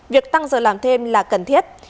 việc tăng giờ làm thêm là cần thiết